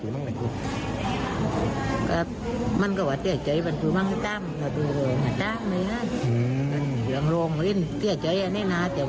รู้หรือ